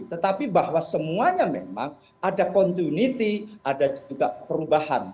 tetapi bahwa semuanya memang ada continuity ada juga perubahan